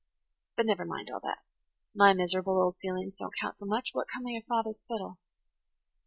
But never mind all that. My miserable old feelings don't count for much. What come of your father's fiddle?"